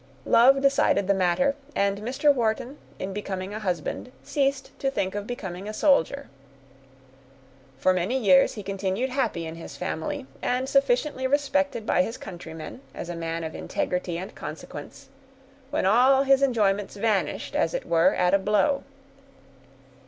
Love decided the matter; and Mr. Wharton, in becoming a husband, ceased to think of becoming a soldier. For many years he continued happy in his family, and sufficiently respected by his countrymen, as a man of integrity and consequence, when all his enjoyments vanished, as it were, at a blow.